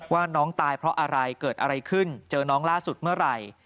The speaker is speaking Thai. ว่าน้องตายเพราะอะไรเกิดอะไรขึ้นเจอน้องล่าสุดเมื่อไหร่